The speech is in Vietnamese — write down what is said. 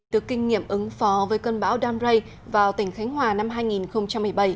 từ kinh nghiệm ứng phó với cơn bão dan ray vào tỉnh khánh hòa năm hai nghìn một mươi bảy